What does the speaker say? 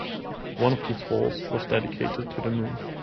One of these halls was dedicated to the Moon.